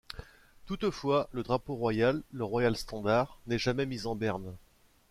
Toutefois, le drapeau royal, le Royal Standard, n'est jamais mis en berne.